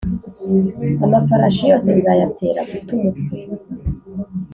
amafarashi yose nzayatera guta umutwe